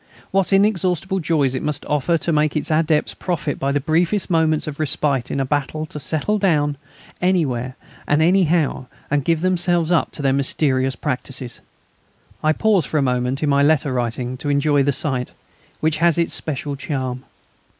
What inexhaustible joys it must offer to make its adepts profit by the briefest moments of respite in a battle to settle down anywhere and anyhow and give themselves up to their mysterious practices! I pause for a moment in my letter writing to enjoy the sight, which has its special charm.